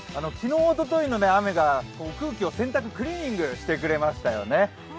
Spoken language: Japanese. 昨日、おとといの雨が空気を洗濯、クリーニングしてくれましたよね。